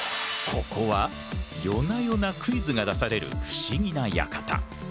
ここは夜な夜なクイズが出される不思議な館。